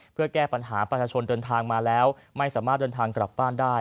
เพื่อแก้ปัญหาประชาชนเดินทางมาแล้วไม่สามารถเดินทางกลับบ้านได้